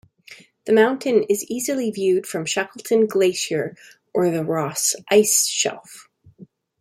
The mountain is easily viewed from Shackleton Glacier or the Ross Ice Shelf.